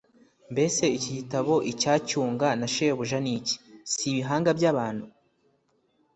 mbese iki kigabo icyacyunga na shebuja ni iki? si ibihanga by’aba bantu?